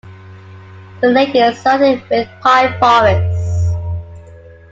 The lake is surrounded with pine forests.